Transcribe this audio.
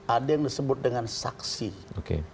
ada yang disebut dengan saksi